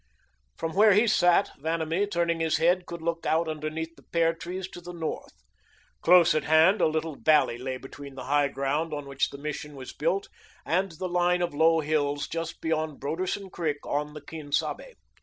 From where he sat, Vanamee, turning his head, could look out underneath the pear trees to the north. Close at hand, a little valley lay between the high ground on which the Mission was built, and the line of low hills just beyond Broderson Creek on the Quien Sabe.